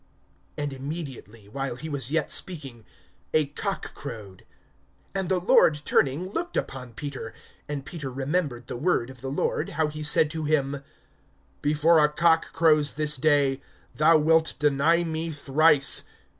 And immediately, while he was yet speaking, a cock crowed. (61)And the Lord turning looked upon Peter. And Peter remembered the word of the Lord, how he said to him: Before a cock crows this day, thou wilt deny me thrice.